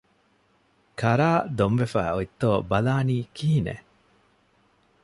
ކަރާ ދޮންވެފައި އޮތްތޯ ބަލާނީ ކިހިނެއް؟